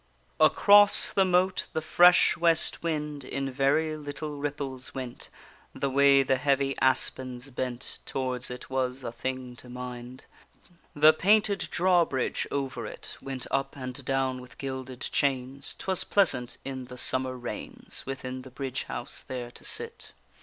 Across the moat the fresh west wind In very little ripples went; The way the heavy aspens bent Towards it, was a thing to mind. The painted drawbridge over it Went up and down with gilded chains, 'Twas pleasant in the summer rains Within the bridge house there to sit.